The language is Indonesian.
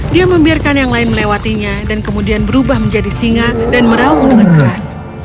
dia membiarkan yang lain melewatinya dan kemudian berubah menjadi singa dan meraung dengan keras